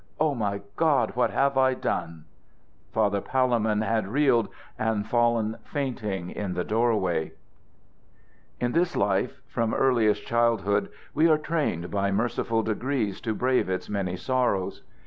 Oh, my God! what have I done?" Father Palemon had reeled and fallen fainting in the door way. In this life, from earliest childhood, we are trained by merciful degrees to brave its many sorrows.